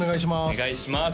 お願いします